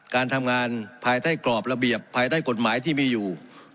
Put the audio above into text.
การทำงานภายใต้กรอบระเบียบภายใต้กฎหมายที่มีอยู่